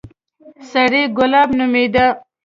سړى ګلاب نومېده.